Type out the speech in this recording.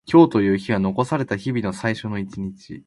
今日という日は残された日々の最初の一日。